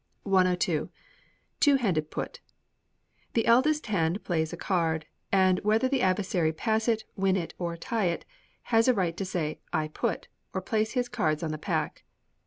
102. Two Handed Put. The eldest hand plays a card; and whether the adversary pass it, win it, or tie it, has a right to say, "I put," or place his cards on the pack.